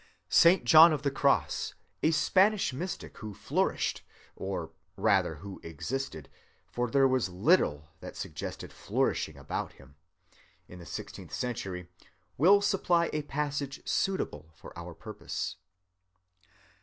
Saint John of the Cross, a Spanish mystic who flourished—or rather who existed, for there was little that suggested flourishing about him—in the sixteenth century, will supply a passage suitable for our purpose.